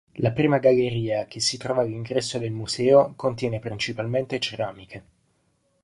La prima galleria, che si trova all'ingresso del museo, contiene principalmente ceramiche.